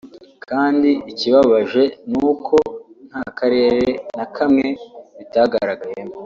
kandi ikibabaje ni uko nta karere na kamwe bitagaragayemo